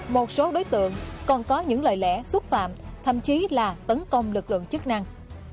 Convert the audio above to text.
một số đối tượng còn có những lời lẽ xúc phạm thậm chí là tấn công lực lượng chức năng